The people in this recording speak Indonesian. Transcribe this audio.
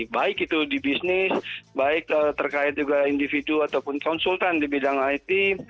baik itu di bisnis baik terkait juga individu ataupun konsultan di bidang it